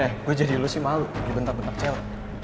eh gue jadi lu sih malu dibentak bentak cel